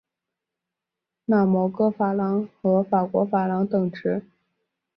摩纳哥法郎和法国法郎等值。